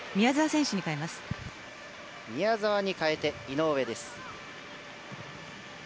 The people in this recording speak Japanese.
宮澤に代えて井上です。